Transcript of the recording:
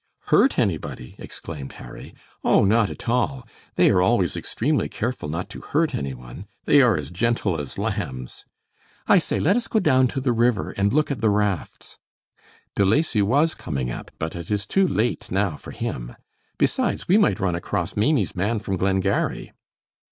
"Hurt anybody!" exclaimed Harry. "Oh, not at all; they are always extremely careful not to hurt any one. They are as gentle as lambs. I say, let us go down to the river and look at the rafts. De Lacy was coming up, but it is too late now for him. Besides, we might run across Maimie's man from Glengarry."